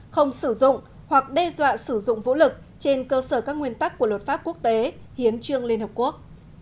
không sử dụng hoặc đe dọa sử dụng vũ lực trên cơ sở các nguyên tắc của luật pháp quốc tế hiến trương liên hợp quốc